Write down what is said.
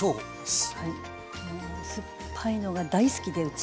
もう酸っぱいのが大好きでうち。